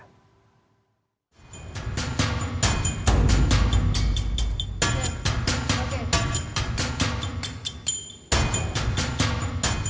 kaum perempuan rentan mengidap kanker